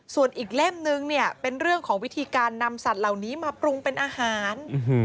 ส่วนอีกเล่มนึงเนี่ยเป็นเรื่องของวิธีการนำสัตว์เหล่านี้มาปรุงเป็นอาหาร